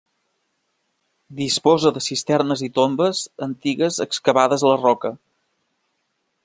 Disposa de cisternes i tombes antigues excavades a la roca.